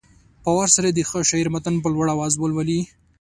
په وار سره دې د ښه شاعر متن په لوړ اواز ولولي.